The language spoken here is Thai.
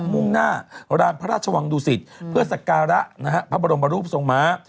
มุ่งหน้ารานพระราชวังดุสิตเพื่อสักการะนะฮะพระบรมรูปทรงม้า